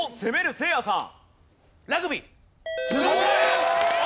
せいやさん！